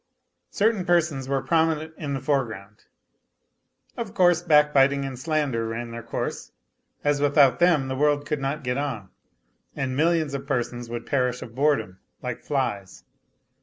Certain persons were prominent in the foreground. Of course backbiting and slander ran their course, as without them the world could not get on, and millions of persons would perish of boredom, like flies.